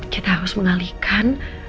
kita harus mengalihkan